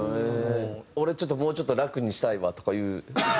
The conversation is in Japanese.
「俺ちょっともうちょっと楽にしたいわ」とかいう？